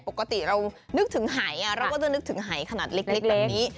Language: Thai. ปกติเรานึกถึงหายเราก็จะนึกถึงหายขนาดเล็กแบบนี้